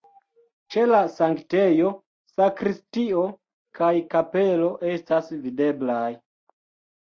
Ĉe la sanktejo sakristio kaj kapelo estas videblaj.